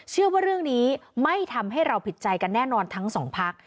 เชื่อว่าเรื่องนี้ไม่ทำให้เราผิดใจกันแน่นอนทั้งสองพัก